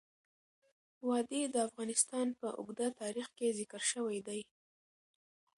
وادي د افغانستان په اوږده تاریخ کې ذکر شوی دی.